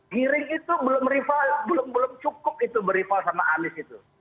giring itu belum cukup berkali kali dengan anies itu